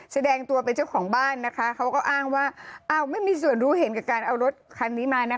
แสดงตัวเป็นเจ้าของบ้านนะคะเขาก็อ้างว่าอ้าวไม่มีส่วนรู้เห็นกับการเอารถคันนี้มานะคะ